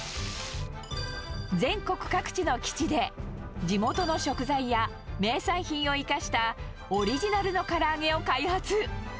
全国各地の基地で、地元の食材や名産品を生かしたオリジナルのから揚げを開発。